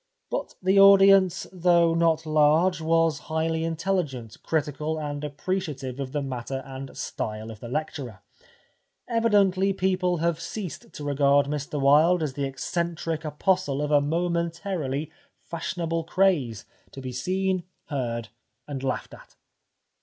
But the audience though not large was highly intelligent, critical and appreciative of the matter and style of the lecturer. Evidently people have ceased to re gard Mr Wilde as the eccentric apostle of a momentarily fashionable craze, to be seen, heard and laughed at."